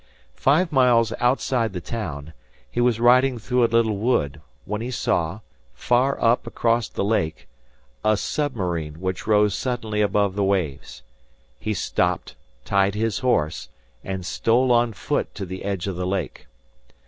Five miles outside the town, he was riding through a little wood, when he saw, far up across the lake, a submarine which rose suddenly above the waves. He stopped, tied his horse, and stole on foot to the edge of the lake.